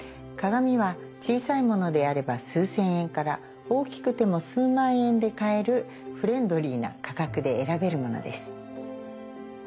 鏡は小さいものであれば数千円から大きくても数万円で買えるフレンドリーな価格で選べるものです。